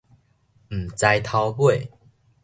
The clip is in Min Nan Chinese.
毋知頭尾